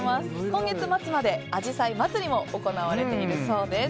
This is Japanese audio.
今月末まで、あじさいまつりも行われているそうです。